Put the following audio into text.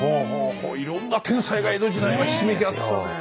いろんな天才が江戸時代はひしめき合ったんだね。